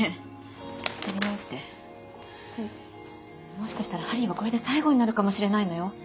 もしかしたら『ハリー』はこれで最後になるかもしれないのよ。